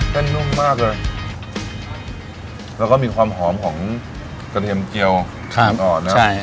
แป้นนุ่มมากเลยแล้วก็มีความหอมของกระเทียมเกลียวครับใช่